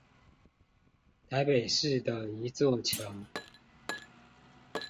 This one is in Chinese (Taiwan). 台北市的一座橋